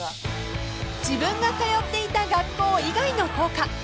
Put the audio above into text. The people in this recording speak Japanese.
［自分が通っていた学校以外の校歌］